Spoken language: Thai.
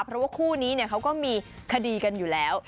เพราะว่าคู่นี้เขาก็มีคดีกันอยู่แล้ว